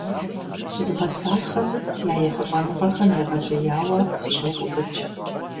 Згъасэхэм я ехъулӀэныгъэхэм егъэлеяуэ сыщогуфӀыкӀ.